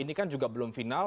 ini kan juga belum final